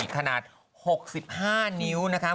ขนาด๖๕นิ้วนะคะ